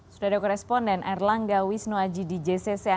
sudah ada koresponden erlangga wisnuaji di jcc